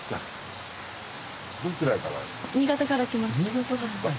新潟から来ました。